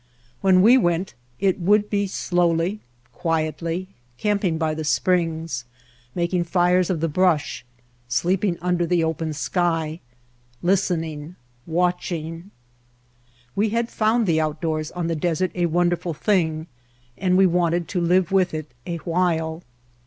When we went it would be slowly, quietly, camping by the springs, making fires of the brush, sleeping under the open sky, listening, watching. We had found the outdoors on the desert a wonderful thing and we wanted to live with it a while.